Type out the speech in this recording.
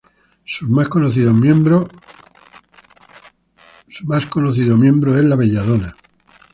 Sus más conocido miembro es la belladona.